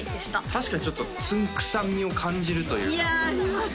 確かにちょっとつんく♂さんみを感じるというかいやあります